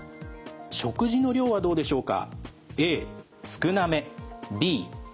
食事の量はどうでしょうか？